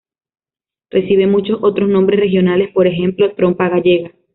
Recibe muchos otros nombres regionales; por ejemplo, "trompa gallega".